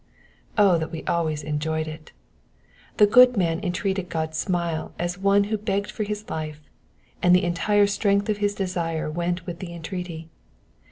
O that we always enjoyed it ! The good man entreated God's smile as one who begged for his life, and the entire strength of his desire went with the entreaty.